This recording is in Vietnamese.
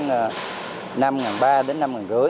nó từ năm ba trăm linh đến năm năm trăm linh